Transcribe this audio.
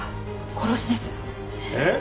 えっ！